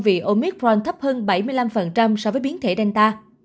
vì omicron thấp hơn bảy mươi năm so với biến thể delta